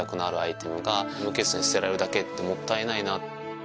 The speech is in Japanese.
が無機質に捨てられるだけってもったいないな。